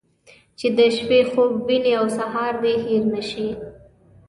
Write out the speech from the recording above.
چې د شپې خوب ووينې او سهار دې هېر نه شي.